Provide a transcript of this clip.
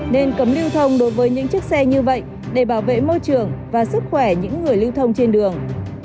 nên cấm lưu thông đối với những chiếc xe như vậy để bảo vệ môi trường và sức khỏe những người lưu thông trên đường